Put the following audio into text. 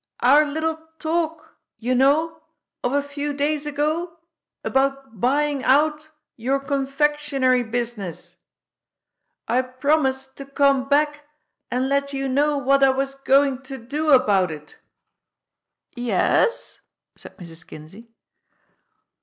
Our little talk, you know, of a few days ago, about buying out your confectionery business. I promised to come back and let you know what I was going to do about it." "Yes," said Mrs. Kinsey.